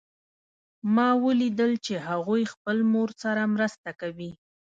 ما ولیدل چې هغوی خپل مور سره مرسته کوي